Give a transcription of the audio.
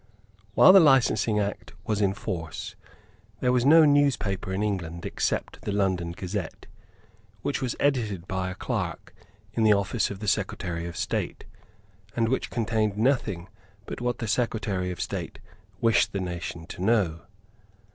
While the Licensing Act was in force there was no newspaper in England except the London Gazette, which was edited by a clerk in the office of the Secretary of State, and which contained nothing but what the Secretary of State wished the nation to know.